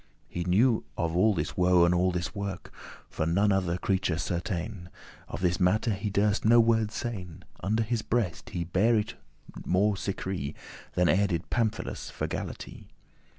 * *scholar He knew of all this woe and all this work; For to none other creature certain Of this matter he durst no worde sayn; Under his breast he bare it more secree Than e'er did Pamphilus for Galatee.